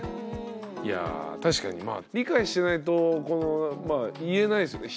いや確かに理解してないと言えないっすよね